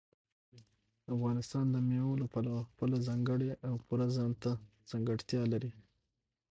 افغانستان د مېوو له پلوه خپله ځانګړې او پوره ځانته ځانګړتیا لري.